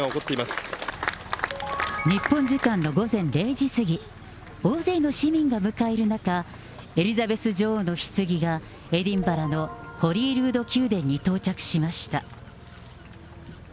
日本時間の午前０時過ぎ、大勢の市民が迎える中、エリザベス女王のひつぎがエディンバラのホリールード宮殿に到着しました。